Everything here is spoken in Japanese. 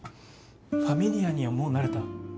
ファミリ家にはもう慣れた？